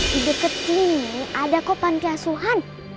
di dekat sini ada kok pantiasuhan